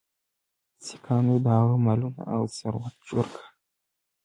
سیکهانو د هغه مالونه او ثروت چور کړ.